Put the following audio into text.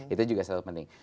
itu juga sangat penting